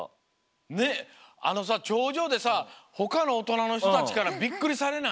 ねっあのさちょうじょうでさほかのおとなのひとたちからびっくりされない？